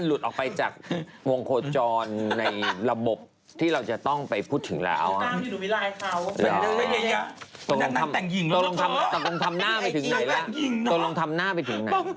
หรืออยากจะบริษัทงานงานนี้